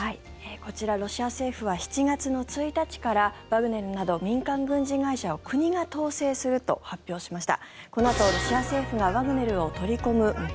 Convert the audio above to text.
こちら、ロシア政府は７月の１日からワグネルなど民間軍事会社を国が統制すると発表しました。